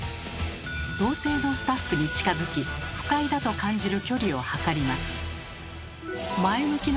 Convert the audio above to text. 同性のスタッフに近づき不快だと感じる距離を測ります。